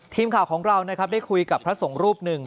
ทีมข่าวของเรานะครับได้คุยกับพระสงฆ์รูปหนึ่ง